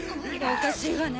おかしいわね。